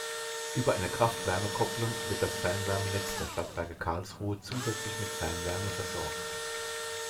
Über eine Kraft-Wärme-Kopplung wird das Fernwärmenetz der Stadtwerke Karlsruhe zusätzlich mit Fernwärme versorgt.